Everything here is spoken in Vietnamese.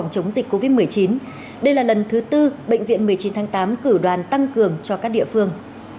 chống dịch covid một mươi chín đây là lần thứ tư bệnh viện một mươi chín tháng tám cử đoàn tăng cường cho các địa phương